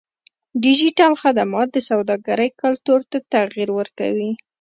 ډیجیټل خدمات د سوداګرۍ کلتور ته تغیر ورکوي.